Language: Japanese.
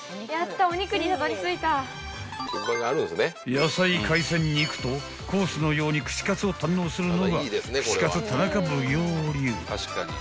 ［野菜海鮮肉とコースのように串カツを堪能するのが串カツ田中奉行流］